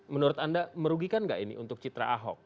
menurut anda merugikan nggak ini untuk citra ahok